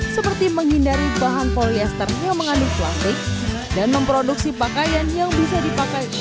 seperti menghindari bahan polyester yang mengandung plastik dan memproduksi pakaian yang bisa dipakai